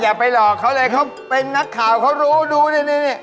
อย่าไปหลอกเขาเลยเขาเป็นนักข่าวเขารู้ดูนี่